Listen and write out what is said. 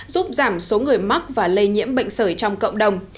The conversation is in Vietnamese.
giúp giảm số người mắc và lây nhiễm bệnh sởi trong cộng đồng